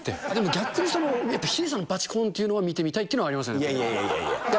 でも逆にやっぱりヒデさんのバチコーンって見てみたいっていうのはありますね。